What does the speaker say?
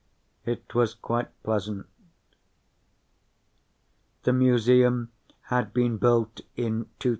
It was quite pleasant. The Museum had been built in 2003.